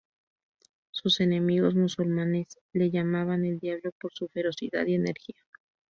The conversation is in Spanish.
Sus enemigos musulmanes le llamaban el Diablo por su ferocidad y energía.